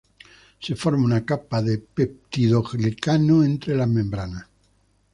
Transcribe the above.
Se forma una capa de peptidoglicano entre las membranas.